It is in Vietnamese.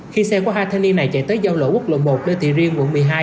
khi xe của hai thanh niên này chạy tới giao lỗ quốc lộ một đơn thị riêng quận một mươi hai